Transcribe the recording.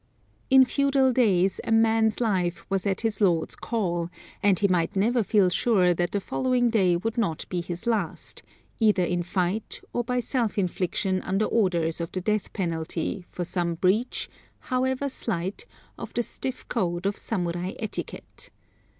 In feudal days a man's life was at his lord's call, and he might never feel sure that the following day would not be his last, either in fight or by self infliction under orders of the death penalty for some breach, however slight, of the stiff code of Samurai etiquette.